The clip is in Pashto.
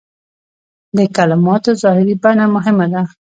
د کلماتو ظاهري بڼه مهمه نه ده.